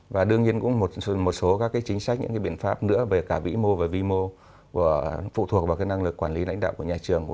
và đương nhiên cũng một số các chính sách những biện pháp nữa về cả vĩ mô và vi mô phụ thuộc vào năng lực quản lý lãnh đạo của nhà trường